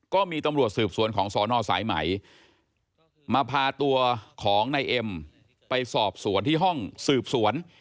ก็มีตำรวจสืบสวนของสอนอสายไหมมาพาตัวของนายเอ็มไปสอบสวนที่ห้องสืบสวน